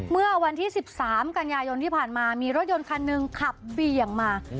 เมื่อวันที่๑๓กันยายนที่ผ่านมามีรถยนต์คันหนึ่งขับเบี่ยงมา